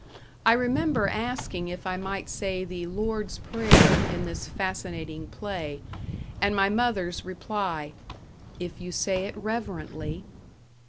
I remember asking if I might say the "Lord's prayer" in this fascinating play; and my mother's reply: "If you say it reverently."